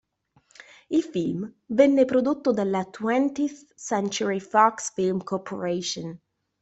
Il film venne prodotto dalla Twentieth Century Fox Film Corporation.